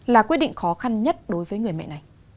là quyết định khó khăn nhất đối với người mẹ này